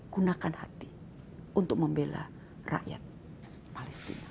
gunakan hati untuk membela rakyat palestina